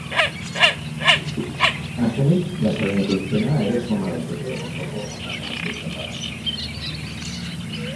Azkenik, gasaren ekoizpena ere soma daiteke hondoko agarra apurtzen bada.